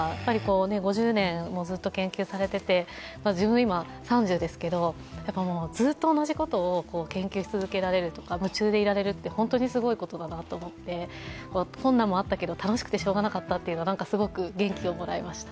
５０年ずっと研究されていて、自分今３０ですけれども、ずーっと同じことを研究し続けられるとか、夢中でいられるって本当にすごいことだなと思って、困難もあったけど楽しくてしょうがなかったというのがすごく元気をもらいました。